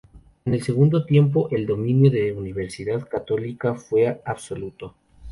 En el segundo tiempo el dominio de Universidad Católica fue absoluto.